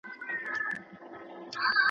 وارخطا ژبه یې وچه سوه په خوله کي.